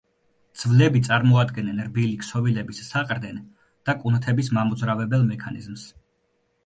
ძვლები წარმოადგენენ რბილი ქსოვილების საყრდენ და კუნთების მამოძრავებელ მექანიზმს.